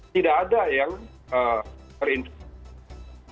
tidak ada yang terinfeksi